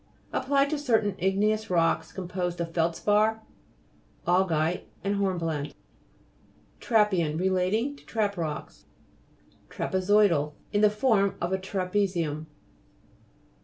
Applied to certain igneous rocks composed of feldspar, augite and hornblende. TRA'PPEAN Relating to trap rocks. TRAPEZOIDAL In form of a trape zium.